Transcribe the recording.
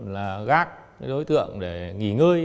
là gác đối tượng để nghỉ ngơi